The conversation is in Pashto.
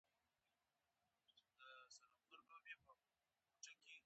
ژبه یې عاطفي انځوریزه او له محسوسو کلمو ډکه وي.